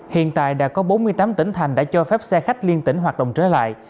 hiện tại đã có bốn mươi tám tỉnh thành đã cho phép xe khách liên tỉnh hoạt động trở lại